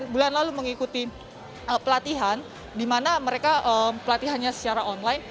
bulan lalu mengikuti pelatihan di mana mereka pelatihannya secara online